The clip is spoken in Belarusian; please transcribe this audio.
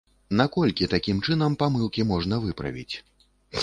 Наколькі такім чынам памылкі можна выправіць?